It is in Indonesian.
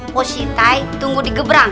pusitai tunggu di gebrang